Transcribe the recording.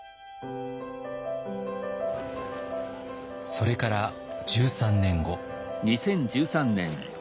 それから１３年後。